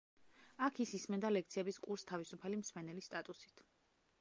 აქ ის ისმენდა ლექციების კურსს თავისუფალი მსმენელის სტატუსით.